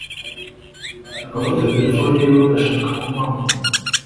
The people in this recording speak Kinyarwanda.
agafata telefoni yiwe agashaka kumuhamagara